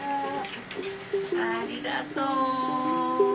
ありがとう！